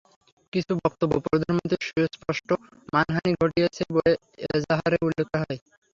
কিছু বক্তব্য প্রধানমন্ত্রীর সুস্পষ্ট মানহানি ঘটিয়েছে বলে এজাহারে উল্লেখ করা হয়।